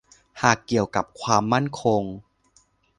หากเกี่ยวกับความมั่นคง